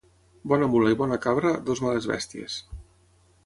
Bona mula i bona cabra, dues males bèsties.